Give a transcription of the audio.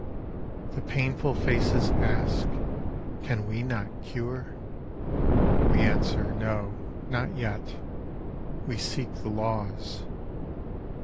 ...... The painful faces ask, can we not cure? We answer, No, not yet; we seek the laws.